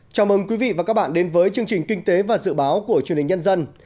chào mừng quý vị và các bạn đến với chương trình kinh tế và dự báo của truyền hình nhân dân